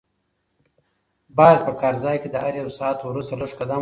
باید په کار ځای کې د هر یو ساعت وروسته لږ قدم ووهل شي.